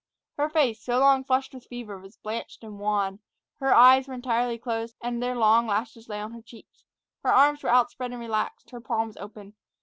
Her face, so long flushed with fever, was blanched and wan. Her eyes were entirely closed, and their long lashes lay on her cheeks. Her arms were outspread and relaxed, her palms open.